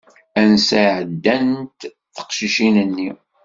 Ansa i ɛeddant teqcicin-nni?